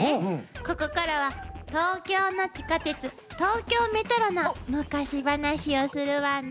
ここからは東京の地下鉄東京メトロの昔話をするわね。